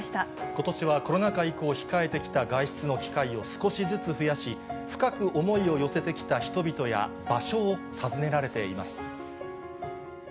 ことしはコロナ禍以降、控えてきた外出の機会を少しずつ増やし、深く思いを寄せてきた人々や場所を訪ねられています。